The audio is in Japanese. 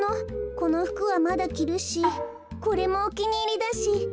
このふくはまだきるしこれもおきにいりだし。